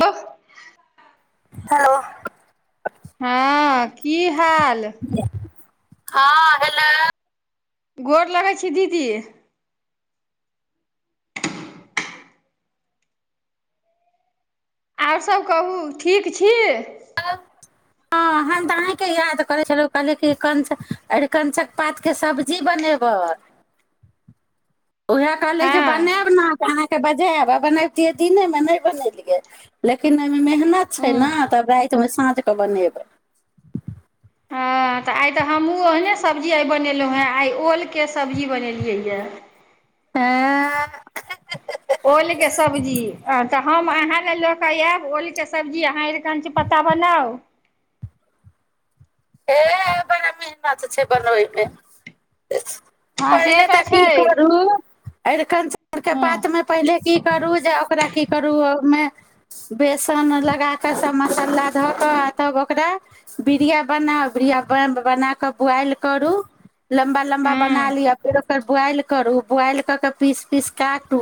त हेलो हँ की हाल हँ हेलो गोर लगै छै दीदी आओरसभ कहू ठीक छी हँ हम तऽ अहीँकेँ याद करै छलहुँ कहलियै कि कं्चक अरिकंचक पातके सब्जी बनेबै उएह कहलै जे बनायब हँ ने तऽ अहाँकेँ बजायब आ बनबितियै दिनेमे नहि बनेलियै लेकिन ओहिमे मेहनत छै ने हँ तब रातिमे साँझकेँ बनेबै हँ तऽ आइ तऽ हमहूँ ओहने सब्जी आइ बनेलहुँ हेँ आइ ओलके सब्जी बनेलियैए हँ ओलके सब्जी तऽ हम अहाँ ल लऽ कऽ आयब ओलके सब्जी अहाँ कञच पत्ता बनाउ हे बड़ा मेहनत छै बनबैमे हँ से पहिले तऽ की छै करू एहिरन आरके हँ बातमे पहिले की करू जे ओकरा की करू मे बेसन लगा कऽ सब मसाला धऽ कऽ तब ओकरा बिीरिया बनाब री आ बना कऽ बोआइल करू लम्बा लम्बा बना हँ ली आ फेर ओकर बोइल करू बोइल कऽ कऽ पीस पीस काटू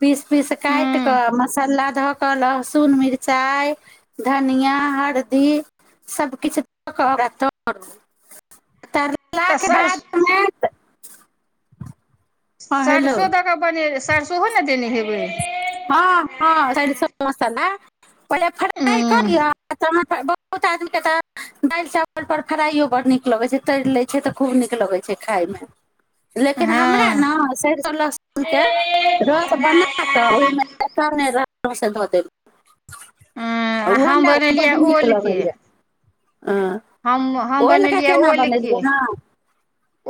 पीस पीस काट हँ कऽ मसालला धऽ लहसुन मिरचाई धनिया हरदी सबकछु [inaudible] तऽ तरलाके सर बाद हमे [inaudible] सरसो दऽ क बने सरसो ने देने हे हँ हँ सा समसा ने पहिले फ्राइ हँ करिये बहुत आदमीके तऽ दालि चावलपर फ्राइयओ बड़ नीक लगैत छै तरि लैत छै तऽ खूब नीक लगैत छै खाायमे लेकिन हमरा हँ ने सरिसो लहसुनके रस बना तऽ ओहिमे पसन्द होत त हँ ब ओलके केना फ बनेलियै ने क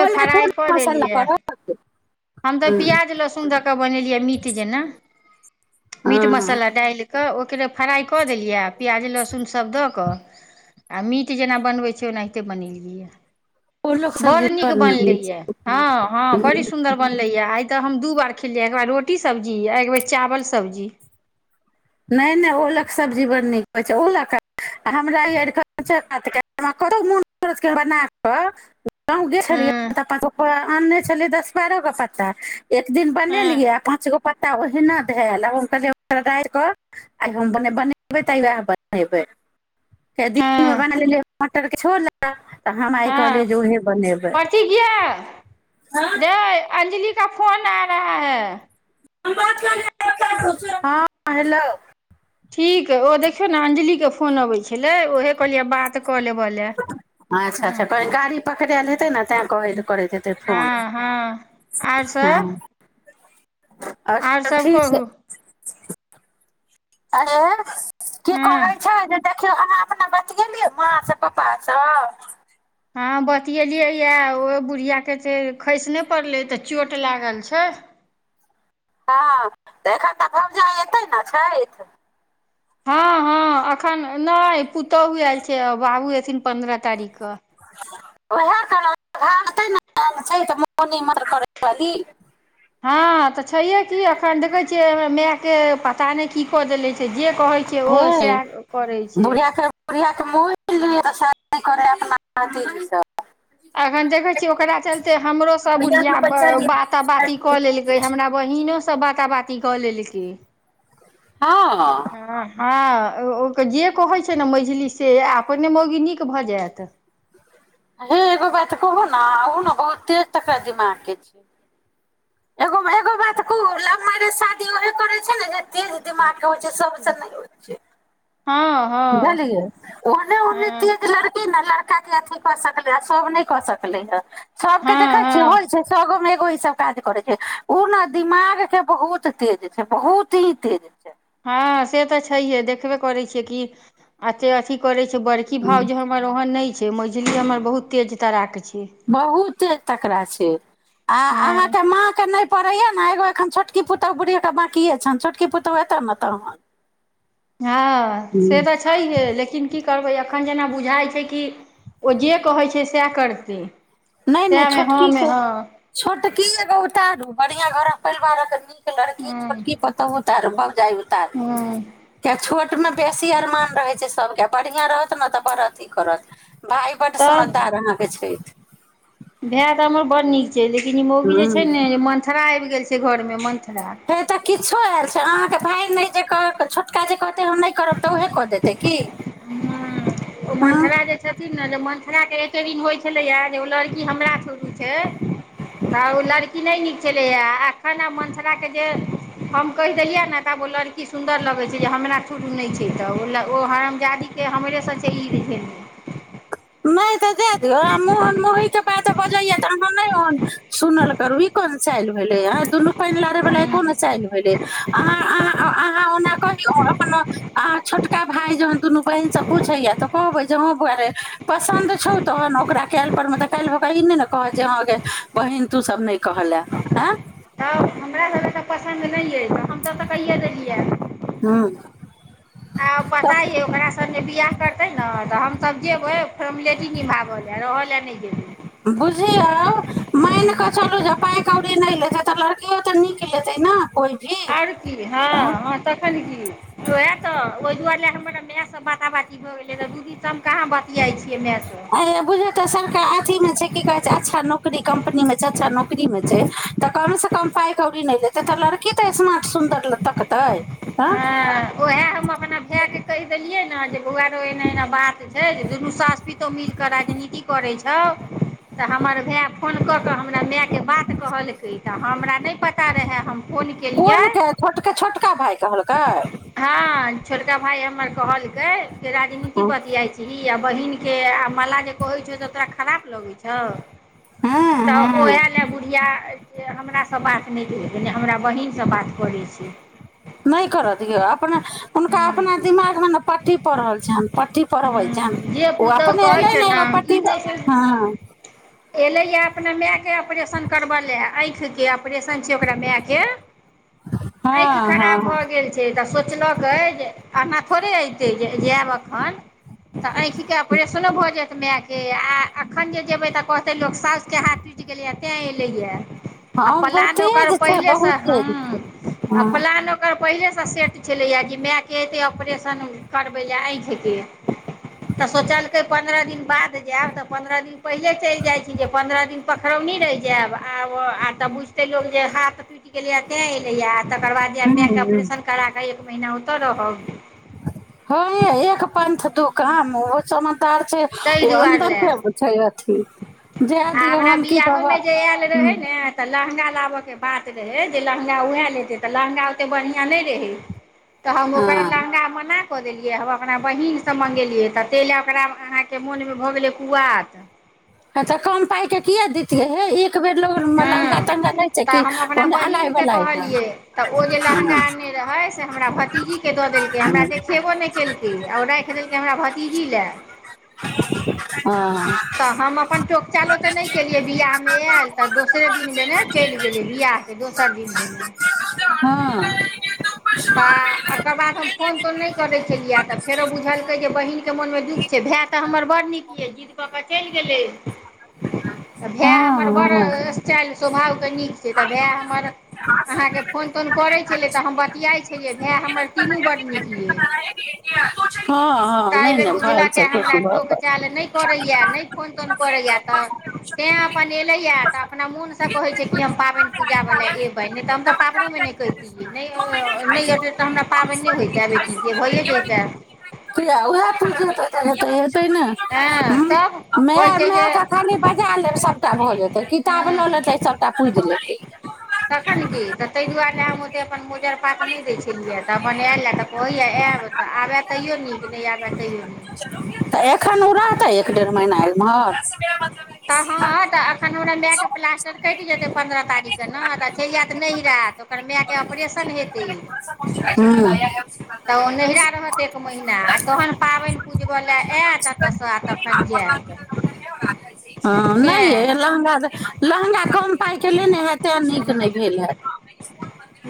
ओलके कोन मसाला पड़ल ब ब मिीटज ने मीट हँ मसाला डायल क किृ फ्राइ कऽ देलियैब प्याज लहसुन सभ दऽ कऽ आ मीट जेना बनबैत छै ओनाहिते बनेलबियै ओलोक सब्जी बड़ नीक होइ बनले यए हँ हँ छै बड़ी सुन्दर बनले या आइ तऽ हम दू बार खेलियै एकके बार रोटी सब्जी आ एकबर चावल सब्जी नहि नहि ओ लक सब्जी बडड़ नीक होइ छै ओ ल हमरा ई अऽ कतहु म बना कऽ गाम गेसरी हँ थ्पा ोप्पा अन्ने छलल दस बारह ग पाता एक दिन हँ बनेलियै पाँच गो पत्ता हो हिना धल हनक राय कऽ आइ हम बनेबै तहि उएह बनेबै दिनमे हँ बना लेलियों मटर कि छो होर ल हँ पतीिया रे अं्जलि का फोन आ रहा है ोच [unintelligible] हँ हेलो ठीक ह ओ देखियौ ने अंजलिक के फोन अबै छलै उहे कहलियै बात कऽ लेब ले अच्छा अच्छा कह गाड़ी पकड़य लए हेतै ने तैँ कह करैत हेतै फोन आओर सब आर अच्छा सब ठीक छै कहू आँ की हँ करैथ छथि देखियौ अहाँ अपना बतियेलियै माँसँ पापा सँ हँ बतएलियैए ओ बुढ़ियाके त खसि नहि पड़लै तऽ चोट लागल छै हँ तऽ एखन तऽ कहवजा अयतै ने छथि हँ हँ एखन नहि पुतोहु आयल छै बाबू एथिन पन्द्रह तारीख ओएह ने छै तऽ म निमर करै वाली हँ तऽ छैहे की एखन देखैत छियै हमरा मायके पता नहि की कऽ देनेे छै जे कहै छै ओ बुढ़ सएह करै छै बुढ़िया म आओर आएत अखन देखै छीयै ओकरा चलते हमरोसभ बुढ़िया बात बाती कऽ लेलकै हमरा बहिनोसँ बात बात बाती कऽ लेल कैय हँ हुँ हँ ओ जे कहैत छै ने मझली से अपने मौगी नीक भऽ जायत हे एगो बात कहू ने आ ने बहुत तेज तक दिमाग के छै एगो एगो बात कहू लव मैरज शादीहे करे छै ने तेज दिमाग होइ छै सबसँ नहि होइ छै हँ हँ धलेलिय ओहने ओहने हँ तेज लड़की न लड़का अथी कऽ सकलै आ सब नहि कऽ सकलै हन सबके हँ देखै छिय होल हँ छै सौ गो मे एक ई सब काज करे छै उ ने दिमाग के बहुत तेज छै बहुत ही तेज छै हँ से तऽ छैहे देखबे करैत छियै कि एते अथी करैत छी बड़की भाउज जे हमर ओहन नहि से मझली हमर बहुत तेज तराक छै बहुत तकड़रा छै आ हँ अहाँके माँ के नहि पढ़ैया ने एगो एखन छोटकी पुतहु बुढ़िये बाँकिए छनि छोटकी पुतहु एतौ ने तहन हँ से तऽ छैहे लेकिन की करबै एखन जेना बुझाइ छै कि ओ जे कहै छै सएह करतै नहि नहि सएहमे हँमे छोटकीे हँ छोट की एगौताू बढ़िया घर परिवारक लड़की हँ छोटकी पता हो तर ब जाइ हँ [inaudible] तें छोड़ मे बेसी अरमान रहै छै सबके बढ़ििया रहत ने तऽ पढ़त ईी करत भाय बड तब समझदार अहाँ के छै भाय त हमर बड़ नीक लेकिन मौगी जे हँ छै ने मन्थराय गेल छै घर हे तऽ किछो आयल छै अहाँके भाय नहि जे नहि देखत छोटका जंका से हम नहि करब तऽ उहे कऽ देते की ओ हँ मन्थरा जे छथिन ने जे मन हमरााके एके दिन होइत छलैया जे ओ लड़की हमरा छोटू छै तऽ ओ लड़की नहि नीक छलैया अ एखन आब मनसराके जे हम कहि देलियै ने तऽ ओ लड़की सुन्दर लगै छै जे हमरा छोटू नहि छै तऽ ओ हमरजादीके हमरे रह [inaudible] नहि ते दय दियौ आ मोहन मोह के बात बजैय त अहाँ नहि सुनल करू ई कोन चालल भेले दुनू पानि लारे वाल कोन चेन भेलय अहाँ अहाँ आ अहाँ ओना कहियौ अपन अहाँ छोटका भाय जहन दुनू बहिन से पूछैया तऽ कहबै जे हँ बआरे पसन्द छौ तहन ओकरा केलह पर मे तऽ काल्हि भऽ कऽ ई नहि ने कहत जे हँ ग बहिन तूसभ नहि कहलए हँ तब हमरा सबके तऽ पसन्द नहि अछि हम तब तऽ कहि देलियै हूँ आ तऽ पता य ओकरा स बिियाह करतै ने तऽ सब जेगो हय फोर्मलेटी निभागल ह रहल ह न बुझि आ मन कऽ चलू जे पाइ कौड़ी नहि लेते तऽ लड़कियो तऽ निक लेते ने कोइ भी आओर की हँ हँ तखन की जय त ओजुआ लए भाय सँ बात बाती भऽ गेलै दूदी त बुझ तऽ सरकार अथीमे छै की कहै छै अच्छा नौकरी कम्पनीमे छै अच्छा नौकरीमे छै तऽ कम कम पाइ कौड़ी नहि लेतै त लर की ते स्मारट सुन्दर ल तकतै हँ उएह हम अपना भाय के कहि देलियै ने माय गे ओ आरो एने एना बात छै जे दुनू साास पुतोह मिल के राजनीति करै छै छउ तऽ हमर तें फोन क के हमरा माय के बात कहलकै तऽ हमरा नहि पता रहे है हम फोन केलियै कोन छै छोटका छोटका भाय कहलक आओर हँ छोटका भााय हमर कहलकै। के राजनीति हँ बतियाइ छै। आब बहिनके आ माला जे कहैत छौ। तऽ तोरा खराब लगैत छौ। तऽ हँ ओएह लए बुढ़िया। हमर सभ बात नहि भेल। हमरा बहिनसँ बात करै छी। नहि कर दियौ हुनका अपना दिमागमे ने। पाठ पढ़ रहल छनि। पट्टी पढ़बै हुँ छनि जे ओ पुतोहु अपने कहै एलै छौ ने एगो पट्टी ने हँ एलै हे। अपना मायके ऑपरेशन करब लेय आँखि जे अप आँपरेशन छैय ओकरा माय कें। आखि हँ हँ खराब भ गेल छै त सोची किचना क जे। [inaudible] आहाँ थोड़े अयतै। जे जायब एखन। तऽ आँखिके ऑपरेशनो भऽ जायत मायके। जे आ अखन जे जेबै तऽ कहतै लोक साउस कें हाथ टुटि गेलैए तैँ एलैएया आ हँ बहुत प्लान तेज ओकर छै बहुत पहिलेसँ हँ। तेज छै हँ आ प्लान ओकर पहिलेसँ सेट छलैए। जे मायके एतै ऑपरेशन करबै लेल आँखि। जे। तऽ सोचलकै पन्द्रह दिन बाद जायब। तऽ पन्द्रह दिन। पहिले चलि जाइ छी। जे पन्द्रह दिन पखरौनी। चलि जायब आ आ। तऽ बुझते लोग जे हाथ टूटि गेले तें एले य। तकर बादब हूँ मायके हूँ ऑपरेशन कर के। एक महीना ओतऽ रहब। कहां मो ओ चमन सब छै। ताहि ओ दुआरे अन्दर लए के छै। अथी जाय आ दियौ हमरा हम की कहबै बियाहमे। जे आयल ह रहै ने तऽ लहंगा चलाबयके बात रहै। जे लहँगा उएह लेतै। तऽ लहगा ओतेक बढ़िआँ नहि रहै। तऽ हमं ओकर हँ लहंगा मना। कऽ देलियै। हम अपना बहिनसँ मङंगेलियै। तऽ ताहि लए। ओकरा अहाँके मोनमे भऽ गेलै कुआथ ह तऽ कम पाइ के कए दितियै हे। एक बेर ल लगा हँ ता नहि छै। तऽ कि हम ओ अपना अलाइ बहिनके वला है कहलियै तऽ ओ जे लहँगा आनने रहै से हमरा भतीजीके दऽ देलकै हमरा देखेबो नहि केलकै आ ओ राखि देलकै हमरा भतीजी लए ह तऽ हम हँ। अपन ठोक चाल ओते नहि केलिए हँ बिआह मे आएल त दोसरे दिने चलि गेलय बिआह कें दोसरे दिने भेने हँ ओकर बाद हम फोन तोन नै केलिए या त बुझलकै फेरो बहिन जे मन मे दुःख छै। भाय तऽ हमर। बड़ड नीक यऽ जिद कऽ कऽ चलि गेलै। ह। भाय हमर बड़ हँ स्टाइल स्वभावके नीक छै तऽ भाय हमर अहाँके फोन तोन करैत छलै तऽ हम बतियाइत छलियै भाय हमर तीनू बड्ड नीक रहै हँ हँ नहि नहि भए छै कि सुभ ब रहहि य नहि फोन तोन करैए तऽ तैँ अपन एलैए तऽ अपना मोनसँ कहैत छै कि हम पाबनि पूजावला अयबै नहि तऽ हम तऽ पाबनोमे नहि कितियै नहि नहि अतै तऽ हमरा पाबनि नहि होइते बेटी जे भइए जइतै त आ ओह े हेतै ने हँ तब कहै छै जे मायके खाल बजा लेब सभटा भऽ जेतै किताब हँ लऽ लेतै सभटा पुजि लेतै तखन की तऽ ताहि दुआरे हम ओतेक अपन मोजर पात नहि दै छलियै तऽ अपन आयलए तऽ कहैया आयब तऽ आबय तयो नीक नहि आबय तयो नीक तऽ एखन ओ रहतै एक डेढ़ महीना एमहर तऽ हँ तऽ एखन हमरा मायके प्लास्टर कटि जेतै पन्द्रह तारीखकेँ ने तऽ छैल आय तऽ नहि रहयत ओकर मायके ऑपरेशन हेतै हँ तऽ ओ नहिरा रहत एक महीना आ तहन पाबनि पुजबै ल आयत एतऽसँ तखन जायत हँ नहि यए तेँ लहँगा लहँगा कम पाइके लेने हए तैँ नीक नहि भेल हए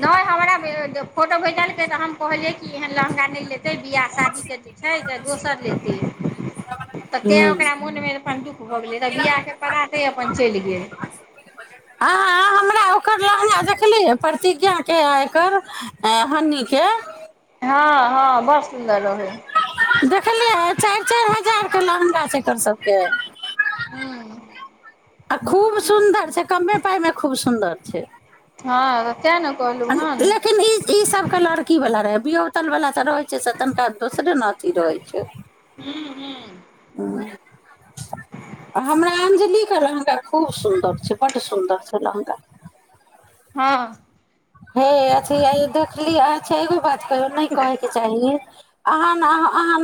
नहि हमरा फोटो भेजलकै तऽ हम कहलियै कि एहन लहँगा नहि लेत बियाह शादीके जे छै से दोसर लेतै तऽ तैँ ओकरा मोनमे अपन दुःख भऽ गेलै तऽ बियाहके पाते अपन चलि गेल ओ लहना देखली प्रतिज्ञा के एकर हनी के हँ हँ बस देखलियै चारि चारि हजार के लहंगा छै र सबके हँ आ खूब सुन्दर से कममे पाइमे खूब सुन्दर छै हँ लेकिन ई ई सबके लड़की बला रहे बताल बला त रहै छै तन दोसरे न अथी रहै छै ह हूँ हूँ आ हमरा अंजलि लहंगा खूब सुन्दर छै बड सुन्दर छै लहंगा हँ हे अ देखली अ छैगो नहि कहैके चाहिए अन अह